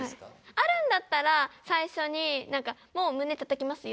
あるんだったら最初になんか「もう胸たたきますよ」